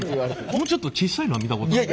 このちょっとちっさいのは見たことあるな。